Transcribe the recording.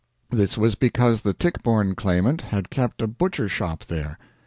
This was because the Tichborne Claimant had kept a butcher shop there.